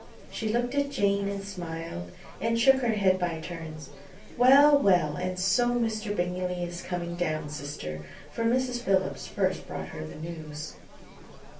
She looked at Jane, and smiled, and shook her head, by turns. "Well, well, and so Mr. Bingley is coming down, sister," (for Mrs. Philips first brought her the news).